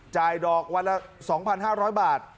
จ่ายดอกวันละ๒๕๐๐บาท